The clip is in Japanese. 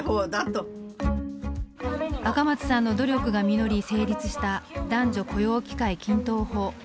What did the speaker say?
赤松さんの努力が実り成立した男女雇用機会均等法。